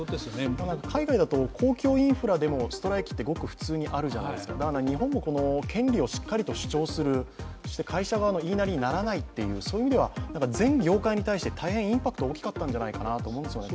海外だと公共インフラでもストライキってごく普通にあるじゃないですか日本も権利を主張する、会社側の言いなりにならないという意味では全業界に対して大変インパクトが大きかったんじゃないかなと思うんですよね。